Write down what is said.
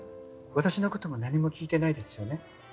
私のことも何も聞いてないですよね？